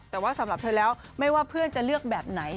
แต่ว่าสำหรับเธอแล้วไม่ว่าเพื่อนจะเลือกแบบไหน